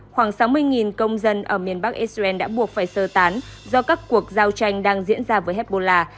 khoảng sáu mươi công dân ở miền bắc israel đã buộc phải sơ tán do các cuộc giao tranh đang diễn ra với hezbollah